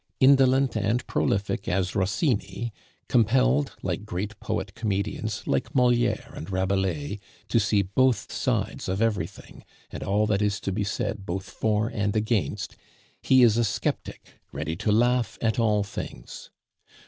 Indolent and prolific as Rossini, compelled, like great poet comedians, like Moliere and Rabelais, to see both sides of everything, and all that is to be said both for and against, he is a sceptic, ready to laugh at all things.